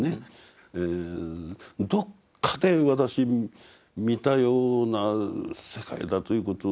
どっかで私見たような世界だということをね